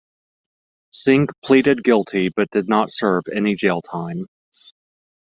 Cinque pleaded guilty but did not serve any jail time.